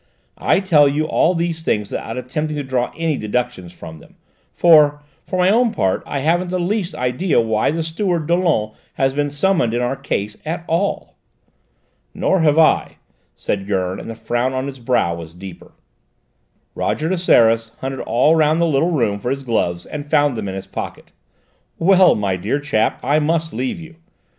I tell you all these things without attempting to draw any deductions from them, for, for my own part, I haven't the least idea why the steward, Dollon, has been summoned in our case at all." "Nor have I," said Gurn, and the frown on his brow was deeper. Roger de Seras hunted all round the little room for his gloves and found them in his pocket. "Well, my dear chap, I must leave you.